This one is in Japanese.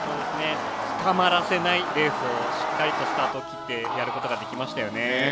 つかまらせないレースをしっかりスタートを切ってやることができましたよね。